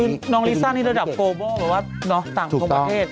คือน้องลิซ่านึงระดับกรูโบลแบบว่าต่างของประเทศถูกต้อง